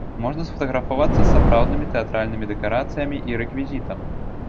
Можна сфатаграфавацца з сапраўднымі тэатральнымі дэкарацыямі і рэквізітам.